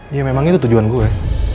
ya memang itu tujuan gue